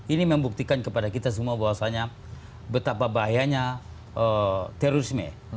ini membuktikan kepada kita semua bahwasannya betapa bahayanya terorisme